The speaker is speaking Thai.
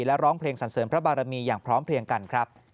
และร้องเพลงสรรเสริมพระบารมีอย่างพร้อมเพลียงกันครับ